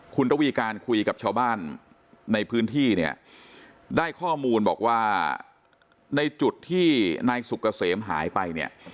คุณระวีการคุยกับชาวบ้านในพื้นที่เนี่ยได้ข้อมูลบอกว่าในจุดที่นายสุกเกษมหายไปเนี่ย